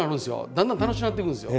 だんだん楽しくなってくるんですよ。